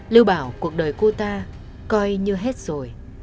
lưu bảo cuộc đời cô ta coi như hết rồi